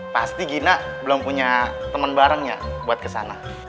pasti gina belum punya temen barengnya buat kesana